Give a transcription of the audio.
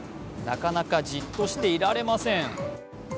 なかなかじっとしていられません。